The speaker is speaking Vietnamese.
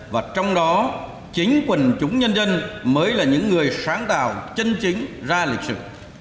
và trong đó chính quần chúng nhân dân mới là những người sáng tạo chân chính ra lịch sử